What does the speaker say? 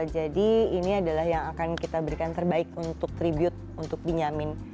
jadi ini adalah yang akan kita berikan terbaik untuk tribut untuk binyamin